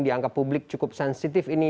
dianggap publik cukup sensitif ini